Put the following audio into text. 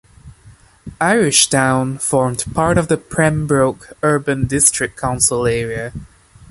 Irishtown formed part of the Pembroke Urban District Council area.